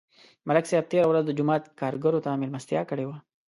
ملک صاحب تېره ورځ د جومات کارګرو ته مېلمستیا کړې وه